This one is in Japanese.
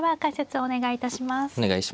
お願いします。